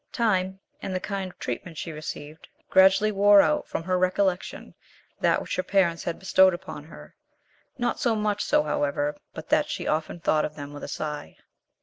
Time and the kind treatment she received, gradually wore out from her recollection that which her parents had bestowed upon her; not so much so, however, but that she often thought of them with a sigh.